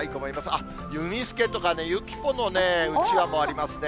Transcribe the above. あっ、うみスケとかね、ゆきポのうちわもありますね。